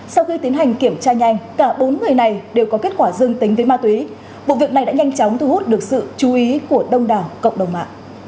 sau khi tiến hành kiểm tra nhanh cả bốn người này đều có kết quả dương tính với ma túy vụ việc này đã nhanh chóng thu hút được sự chú ý của đông đảo cộng đồng mạng